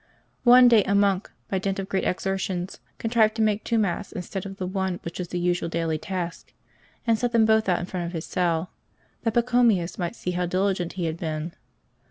One day a monk, by dint of great exertions, contrived to make two mats instead of the one which was the usual daily task, and set them both out in front of his cell, that Pachomius might see how diligent he had been.